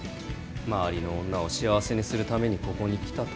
周りの女を幸せにするためにここに来たと。